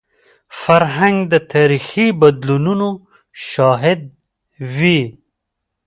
فرهنګ د تاریخي بدلونونو شاهد وي.